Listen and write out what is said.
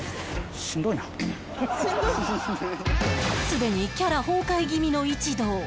すでにキャラ崩壊気味の一同